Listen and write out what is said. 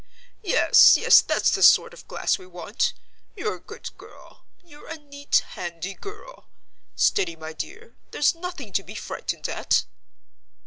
Yes, yes, that's the sort of glass we want. You're a good girl—you're a neat, handy girl. Steady, my dear! there's nothing to be frightened at!"